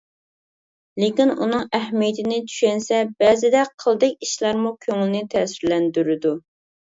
لېكىن ئۇنىڭ ئەھمىيىتىنى چۈشەنسە بەزىدە قىلدەك ئىشلارمۇ كۆڭۈلنى تەسىرلەندۈرىدۇ.